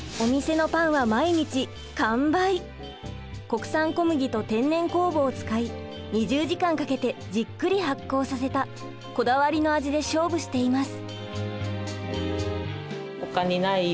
国産小麦と天然酵母を使い２０時間かけてじっくり発酵させたこだわりの味で勝負しています。